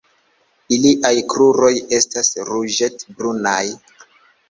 Iliaj kruroj estas ruĝet-brunaj.